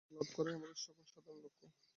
জ্ঞানের আলোক লাভ করাই আমাদের সকল সাধনার লক্ষ্য।